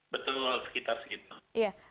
betul sekitar sekitar